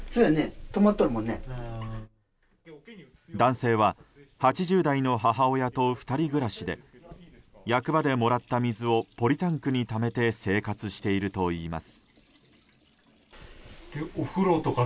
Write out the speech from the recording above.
男性は８０代の母親と２人暮らしで役場でもらった水をポリタンクにためて生活しているといいます。